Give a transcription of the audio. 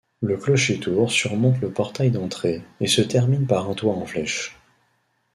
Le clocher-tour surmonte le portail d'entrée et se termine par un toit en flèche.